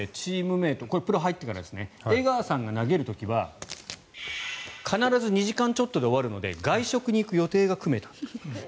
プロに入ってからですね江川さんが投げる時は必ず２時間ちょっとで終わるので外食に行く予定が組めた。